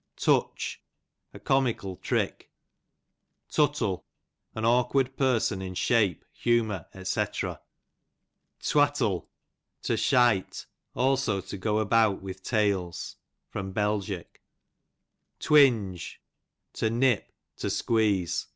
Tutoh, a comical trick. Tuttle, an aukKard person in shape, humour, £ c. Twattle, to s — te ; also to go about with tales. Bel. Twinge, to nip, to squeeze.